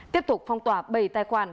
tiếp tục phong tỏa bảy tài khoản